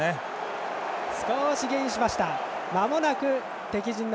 少しゲインしました。